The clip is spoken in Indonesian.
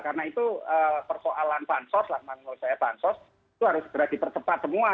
karena itu persoalan bansos yang menurut saya bansos itu harus segera dipercepat semua